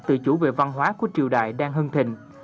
tự chủ về văn hóa của triều đại đang hưng thịnh